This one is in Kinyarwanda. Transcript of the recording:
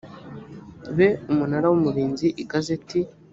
be umunara w umurinzi igazeti